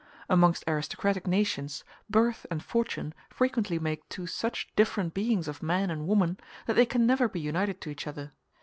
] Amongst aristocratic nations birth and fortune frequently make two such different beings of man and woman, that they can never be united to each other.